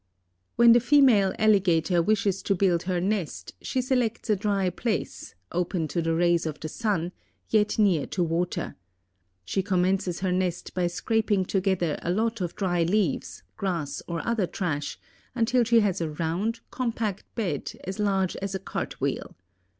When the female alligator wishes to build her nest, she selects a dry place, open to the rays of the sun, yet near to water. She commences her nest by scraping together a lot of dry leaves, grass or other trash, until she has a round, compact bed as large as a cartwheel.